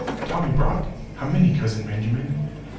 "Tommy Brock? how many, Cousin Benjamin?"